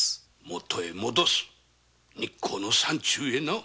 元に戻す日光の山中にな。